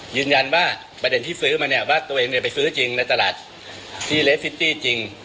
ยืนยันว่าประเด็นที่ซื้อมาเนี่ยว่าตัวเองเนี่ยไปซื้อจริงในตลาดซี่เลฟิตตี้จริง